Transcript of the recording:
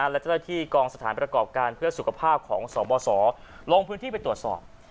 และเจ้าหน้าที่กองสถานประกอบการเพื่อสุขภาพของสบสลงพื้นที่ไปตรวจสอบ